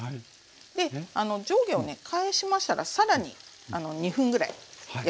で上下を返しましたら更に２分ぐらい焼いて下さい。